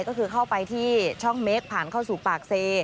ก็คือเข้าไปที่ช่องเมคผ่านเข้าสู่ปากเซ